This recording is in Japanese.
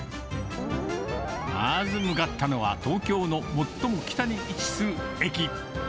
まず向かったのは、東京の最も北に位置する駅。